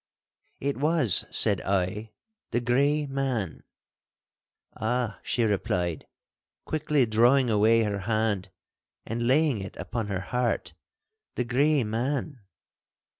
'It was,' said I, 'the Grey Man!' 'Ah,' she replied, quickly drawing away her hand, and laying it upon her heart, 'the Grey Man!